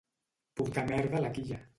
Portar merda a la quilla.